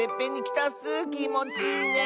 きもちいいね。